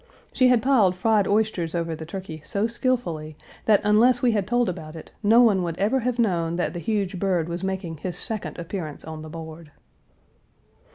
She had piled fried oysters over the turkey so skilfully, that unless we had told about it, no one would ever have known that the huge bird was making his second appearance on the board.